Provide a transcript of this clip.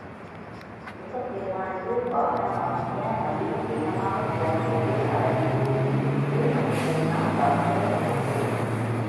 முருகப் பெருமானது வாகனம் ஆகிய மயில் வேகமாகப் போன போது அதன் பீலியின் கொத்து அசைந்ததனால் காற்று அடித்தது.